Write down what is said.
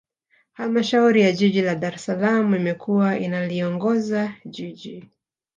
Halmashauri ya Jiji la Dar es Salaam imekuwa inaliongoza Jiji